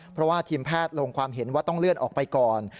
เพราะว่าทีมแพทย์ลงความเห็นว่าต้องเลื่อนออกไปก่อน